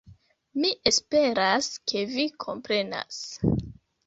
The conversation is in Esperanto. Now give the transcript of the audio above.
Mi esperas ke vi komprenas